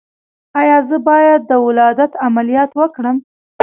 ایا زه باید د ولادت عملیات وکړم؟